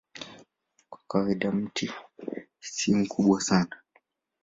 Kwa kawaida miti hii si mikubwa sana.